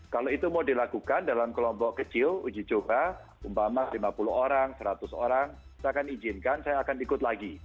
kalau itu mau dilakukan dalam kelompok kecil uji coba umpama lima puluh orang seratus orang saya akan izinkan saya akan ikut lagi